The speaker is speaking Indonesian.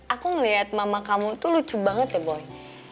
aku ngeliat mama kamu tuh lucu banget ya boy